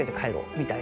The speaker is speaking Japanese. みたいな